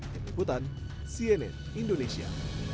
dan ikutan cnn indonesia